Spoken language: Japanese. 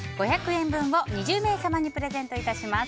５００円分を２０名様にプレゼントいたします。